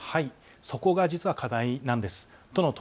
そこが課題なんです。